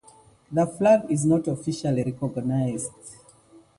The flag is not officially recognized.